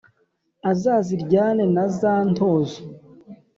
azaziryane na za ntozo